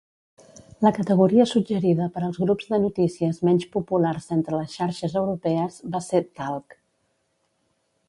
La categoria suggerida per als grups de notícies menys populars entre les xarxes europees va ser "talk".